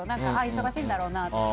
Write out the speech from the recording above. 忙しいんだろうなとか。